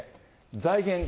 財源。